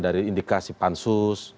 dari indikasi pansus